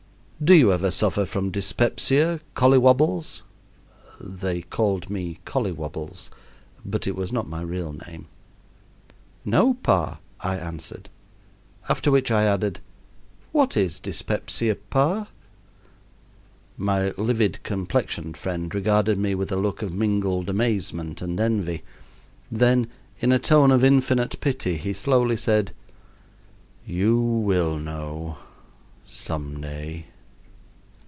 "Do you ever suffer from dyspepsia, Colly wobbles?" (They called me Colly wobbles, but it was not my real name.) "No, pa," I answered. After which I added: "What is dyspepsia, pa?" My livid complexioned friend regarded me with a look of mingled amazement and envy. Then in a tone of infinite pity he slowly said: "You will know some day."